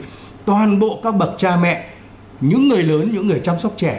toàn bộ các bậc cha mẹ những người lớn những người chăm sóc trẻ